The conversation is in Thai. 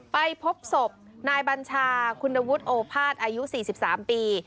ไปพบศพนายบัญชาคุณวุฒิโอภาษอายุ๔๓ปี